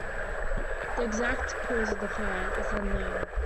The exact cause of the fire is unknown.